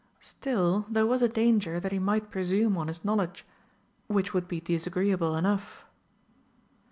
Still, there was a danger that he might presume on his knowledge which would be disagreeable enough.